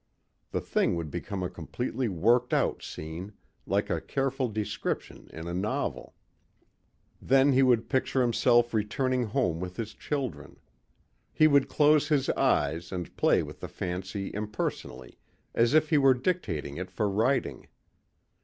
The thing would become a completely worked out scene like a careful description in a novel. Then he would picture himself returning home with his children. He would close his eyes and play with the fancy impersonally, as if he were dictating it for writing.